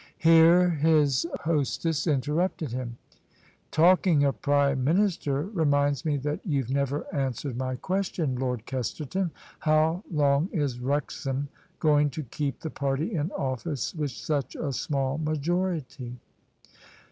Here his hostess interrupted him. " Talking of Prime Minister reminds me that youVe never answered my ques tion. Lord Kesterton. How long is Wrexham going to keep the party in office with such a small majority?"